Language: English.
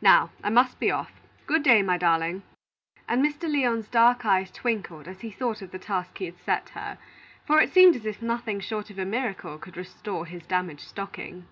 Now I must be off. Good by, my darling," and Mr. Lyon's dark eyes twinkled as he thought of the task he had set her; for it seemed as if nothing short of a miracle could restore his damaged stocking.